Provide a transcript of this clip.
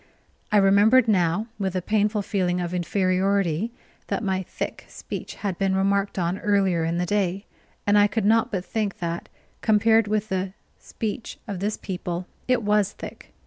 I remembered now with a painful feeling of inferiority that my thick speech had been remarked On earlier in the day; and I could not but think that, compared with the speech of this people, it was thick.